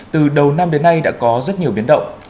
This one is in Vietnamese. từ đầu năm đến nay đã có rất nhiều biến động